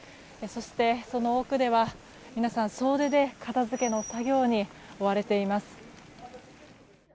そして、その奥では皆さん総出で片づけの作業に追われています。